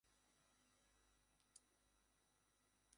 কি হইসে, শেখ?